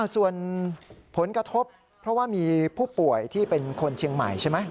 ส่วนผลกระทบเพราะว่ามีผู้ป่วยที่เป็นคนเชียงใหม่ใช่ไหม